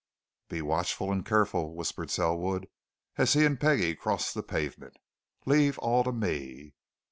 "Be watchful and careful," whispered Selwood, as he and Peggie crossed the pavement. "Leave all to me!"